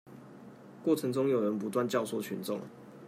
過程中有人不斷教唆群眾